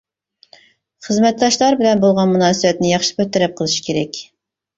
خىزمەتداشلار بىلەن بولغان مۇناسىۋەتنى ياخشى بىر تەرەپ قىلىش كېرەك.